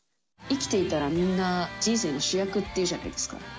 生きていたらみんな人生の主役っていうじゃないですか。